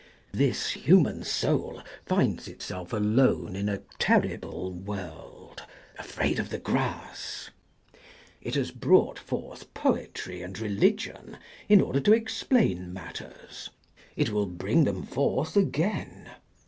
This human soul finds itself alone in a terrible world, afraid of the grass. It has brought forth poetry and re ligion in order to explain matters ; it will bring them forth again.